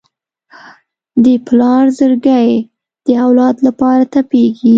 د پلار زړګی د اولاد لپاره تپېږي.